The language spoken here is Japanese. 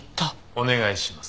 お願いします。